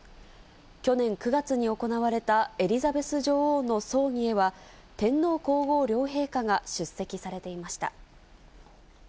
去年９月に行われたエリザベス女王の葬儀へは、天皇皇后両陛下が出席されていました。